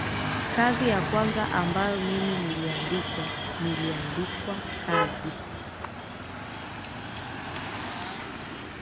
kazi ya kwanza ambayo mimi niliandikwa niliandikwa kazi